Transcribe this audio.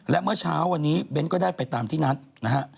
และเมื่อเช้าวันนี้เบ้นก็ได้ไปตามที่นัดนะฮะ